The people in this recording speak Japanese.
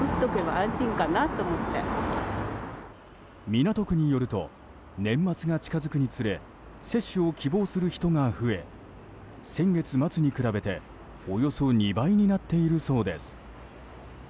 港区によると年末が近づくにつれ接種を希望する人が増え先月末に比べておよそ２倍になっているそうです。